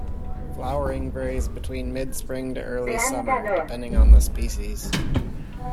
Flowering varies between mid spring to early summer, depending on the species.